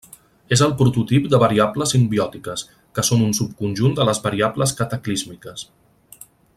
És el prototip de variables simbiòtiques, que són un subconjunt de les variables cataclísmiques.